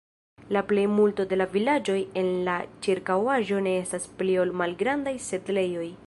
La plejmulto de la vilaĝoj en la ĉirkaŭaĵo ne estas pli ol malgrandaj setlejoj.